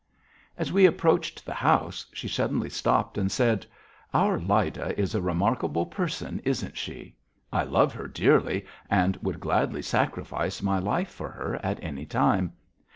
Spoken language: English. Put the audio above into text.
As we approached the house she suddenly stopped and said: "Our Lyda is a remarkable person, isn't she? I love her dearly and would gladly sacrifice my life for her at any time.